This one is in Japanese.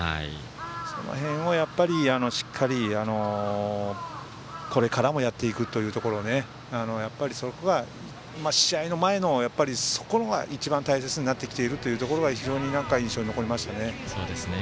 その辺をしっかり、これからもやっていくというところで試合の前の、そこが一番大切になってきているというのは非常に印象に残りました。